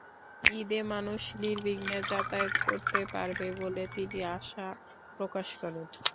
ঈদে মানুষ নির্বিঘ্নে যাতায়াত করতে পারবে বলে তিনি আশা প্রকাশ করেন।